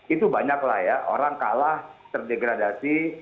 itu banyak lah ya orang kalah terdegradasi